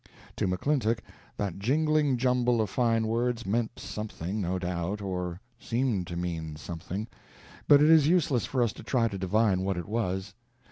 To McClintock that jingling jumble of fine words meant something, no doubt, or seemed to mean something; but it is useless for us to try to divine what it was.